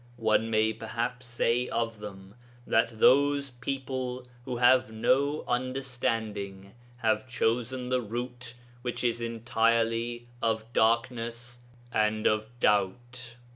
One may perhaps say of them that those people who have no understanding have chosen the route which is entirely of darkness and of doubt.'